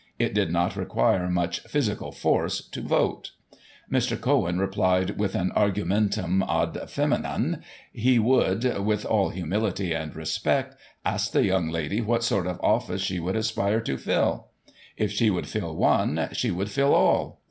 it did not require much " physical force " to vote ! Mr. Cohen replied with an argumentum ad fceminam: — He would, with all humility and respect, ask the young lady, what sort of office she would aspire to fill ? If she would fill one, she would fill all